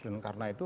dan karena itu